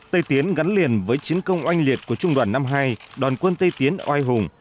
tây tiến gắn liền với chiến công oanh liệt của trung đoàn năm mươi hai đoàn quân tây tiến oai hùng